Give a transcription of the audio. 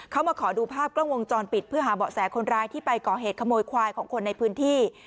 เขามาขอดูภาพกล้องวงจรปิดเพื่อหาเบาะแสคนร้ายที่ไปก่อเหตุขโมยควายของคนในพื้นที่